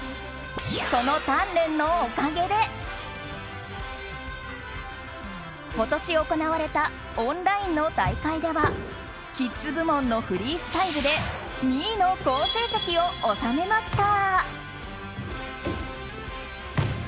その鍛錬のおかげで今年行われたオンラインの大会ではキッズ部門のフリースタイルで２位の好成績を収めました。